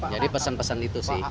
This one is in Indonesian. jadi pesan pesan itu sih